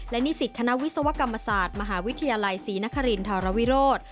และนิสิตคณะวิศวกรรมศาสตร์มหาวิทยาลัยศรีนครินทรวิโรธ